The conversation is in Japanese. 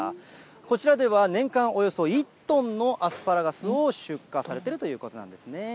こちらでは年間およそ１トンのアスパラガスを出荷されているということなんですね。